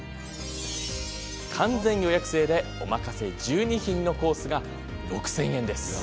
完全予約制でお任せ１２品のコースが６０００円。